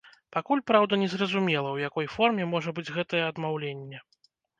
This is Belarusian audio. Пакуль, праўда, незразумела, у якой форме можа быць гэтае адмаўленне.